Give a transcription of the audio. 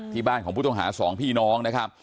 ที่บ้านของผู้ต้องหา๒พี่น้อง